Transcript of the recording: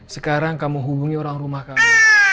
sekarang kamu hubungi orang rumah kamu